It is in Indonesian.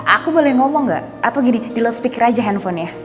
aku boleh ngomong gak atau gini di losspeaker aja handphonenya